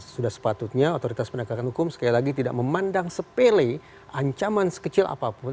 sudah sepatutnya otoritas penegakan hukum sekali lagi tidak memandang sepele ancaman sekecil apapun